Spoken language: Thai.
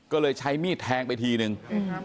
ก็เลยใช้มีดแทงไปทีนึง